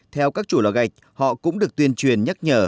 theo các chủ lò gạch họ cũng được tuyên truyền nhắc nhở